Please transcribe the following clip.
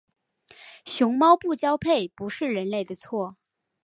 熊猫不交配不是人类的错。